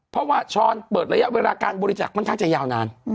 เพราะว่าช้อนเปิดระยะเวลาการบริจักษ์ค่อนข้างจะยาวนาน